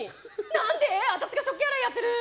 何で私が食器洗いやってる！